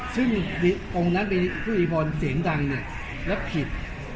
ซึ่งองค์นั้นไปฟื่อหยีบรรค์เสียงดังเนี่ยรับผิด